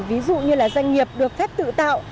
ví dụ như là doanh nghiệp được phép tự tạo